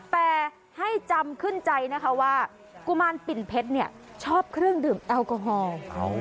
แต่ให้จำขึ้นใจนะคะว่ากุมารปิ่นเพชรเนี่ยชอบเครื่องดื่มแอลกอฮอล์